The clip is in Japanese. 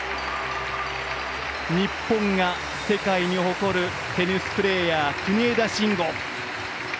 日本が世界に誇るテニスプレーヤー国枝慎吾。